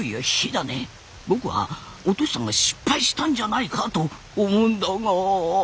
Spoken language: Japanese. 僕はお敏さんが失敗したんじゃないかと思うんだが。